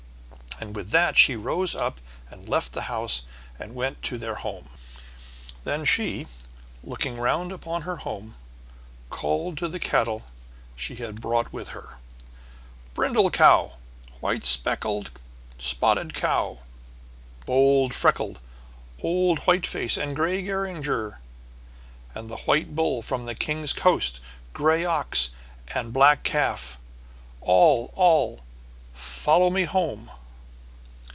And with that she rose up and left the house and went to their home. Then she, looking round upon her home, called to the cattle she had brought with her: "Brindle cow, white speckled, Spotted cow, bold freckled, Old white face, and grey Geringer, And the white bull from the king's coast Grey ox, and black calf, All, all, follow me home."